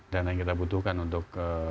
dana yang kita butuhkan untuk